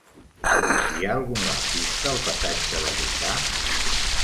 Hi ha algun lampista al passatge de Lucà?